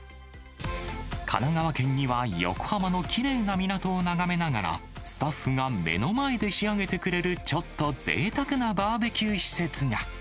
神奈川県には、横浜のきれいな港を眺めながら、スタッフが目の前で仕上げてくれる、ちょっと贅沢なバーベキュー施設が。